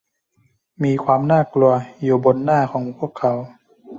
มีความน่ากลัวอยู่บนหน้าของพวกเขา